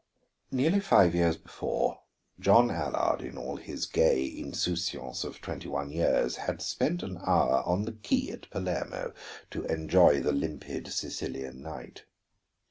Nearly five years before, John Allard, in all his gay insouciance of twenty one years, had spent an hour on the quay at Palermo to enjoy the limpid Sicilian night.